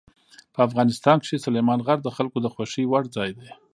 په افغانستان کې سلیمان غر د خلکو د خوښې وړ ځای دی.